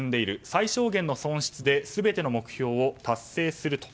最小限の損失で全ての目標を達成すると。